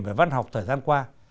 về văn học thời gian qua